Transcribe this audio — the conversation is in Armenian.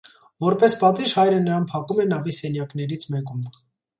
Որպես պատիժ հայրը նրան փակում է նավի սենյակներից մեկում։